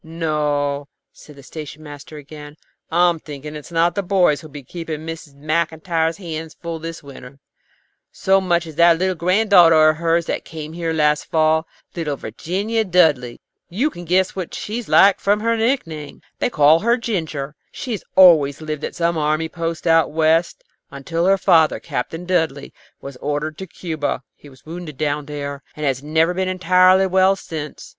"No," said the station master again, "I'm thinking it's not the boys who will be keeping Mrs. Maclntyre's hands full this winter, so much as that little granddaughter of hers that came here last fall, little Virginia Dudley. You can guess what's she like from her nickname. They call her Ginger. She had always lived at some army post out West, until her father, Captain Dudley, was ordered to Cuba. He was wounded down there, and has never been entirely well since.